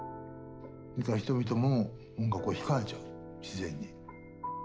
人々も音楽を控えちゃう自然に。